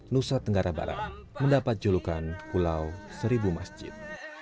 nusa tenggara barat mendapat julukan pulau seribu masjid